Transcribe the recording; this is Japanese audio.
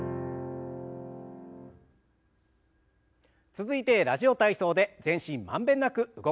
続いて「ラジオ体操」で全身満遍なく動かしましょう。